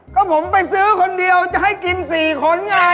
ก็ผมไปซื้อคนเดียวจะให้กิน๔คนไง